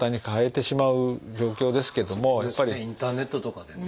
インターネットとかでね。